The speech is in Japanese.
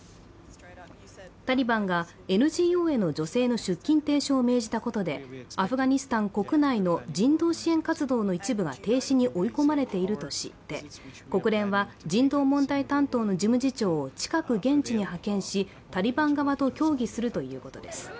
タリバンがＮＧＯへの女性の出勤停止を命じたことでアフガニスタン国内の人道支援活動の一部が停止に追い込まれているとして国連は人道問題担当の事務次長を近く現地に派遣し、タリバン側と協議するということです。